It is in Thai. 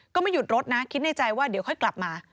ก็ไม่หยุดรถนะคิดในใจว่าเดี๋ยวค่อยกลับมา